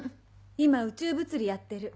今宇宙物理やってる。